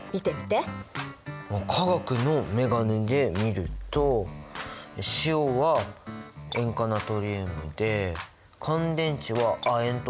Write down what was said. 化学のメガネで見ると塩は塩化ナトリウムで乾電池は亜鉛とかでしょ。